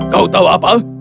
kau tahu apa